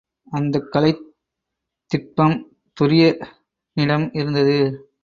அந்தக் கலைத் திட்பம் துரியனிடம் இருந்தது.